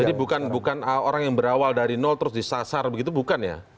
jadi bukan orang yang berawal dari nol terus disasar begitu bukan ya